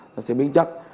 nó sẽ biến chất